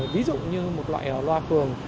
ví dụ như một loại loa phường